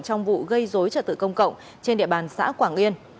trong vụ gây dối trật tự công cộng trên địa bàn xã quảng yên